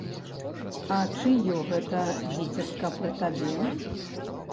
А чыё гэта дзіцятка пры табе?